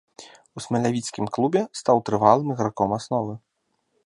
У смалявіцкім клубе стаў трывалым іграком асновы.